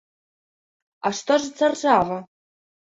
А што ж дзяржава?